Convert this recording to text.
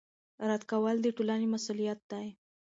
رد کول د ټولنې مسوولیت دی